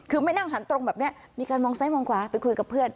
คือไม่นั่งหันตรงแบบนี้มีการมองซ้ายมองขวาไปคุยกับเพื่อน